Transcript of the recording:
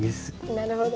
なるほど。